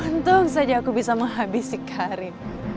tentu saja aku bisa menghabisi karin